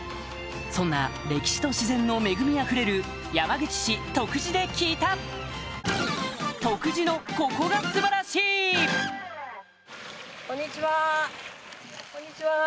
そんな歴史と自然の恵みあふれる山口市徳地で聞いたこんにちは。